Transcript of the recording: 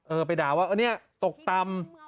ไปด่าว่าอันนี้ตกต่ำ